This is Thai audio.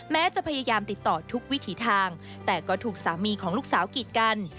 แม้จะพยายามติดต่อทุกวิถีทางแต่ก็ถูกสามีของลูกสาวกีดกัน